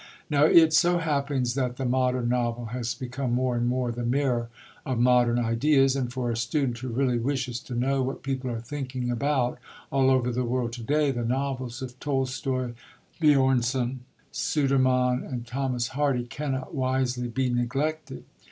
Now it so happens that the modern novel has become more and more the mirror of modern ideas; and for a student who really wishes to know what people are thinking about all over the world to day, the novels of Tolstoi, Björnson, Sudermann, and Thomas Hardy cannot wisely be neglected.